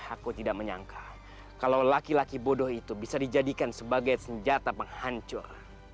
aku tidak menyangka kalau laki laki bodoh itu bisa dijadikan sebagai senjata penghancur